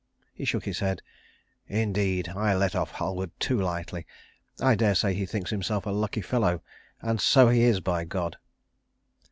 He shook his head. "Indeed, I let off Halward too lightly. I daresay he thinks himself a lucky fellow and so he is, by God."